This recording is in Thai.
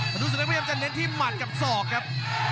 ดูศึกเล็กพยายามจะเน้นที่หมัดกับศอกครับ